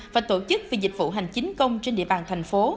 và tổ chức về dịch vụ hành chính công trên địa bàn thành phố